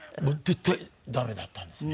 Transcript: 絶対ダメだったんですね。